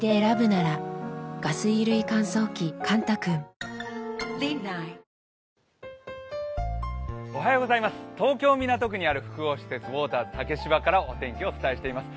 東京・港区竹芝、東京・港区にある複合施設、ウォーターズ竹芝からお天気をお伝えしています。